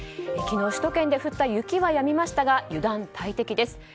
昨日、首都圏で降った雪はやみましたが油断大敵です。